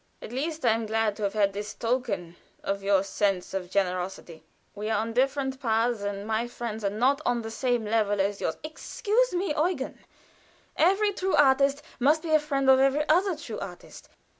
"At least I am glad to have had this token of your sense of generosity. We are on different paths, and my friends are not on the same level as yours " "Excuse me; every true artist must be a friend of every other true artist.